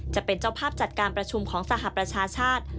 จะเป็นเจ้าภาพจัดการประชุมของสหประชาชาติ